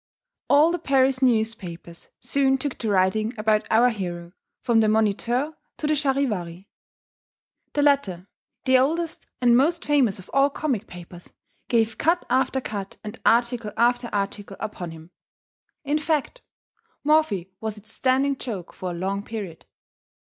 All the Paris newspapers soon took to writing about our hero, from the Moniteur to the Charivari. The latter, the oldest and most famous of all comic papers, gave cut after cut and article after article upon him; in fact, Morphy was its standing joke for a long period.